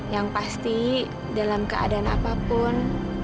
yang pasti dalam keadaan apapun